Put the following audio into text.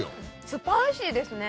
スパイシーですね。